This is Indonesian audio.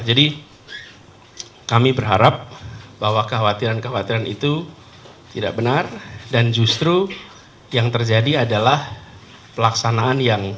jadi kami berharap bahwa kekhawatiran kekhawatiran itu tidak benar dan justru yang terjadi adalah pelaksanaan yang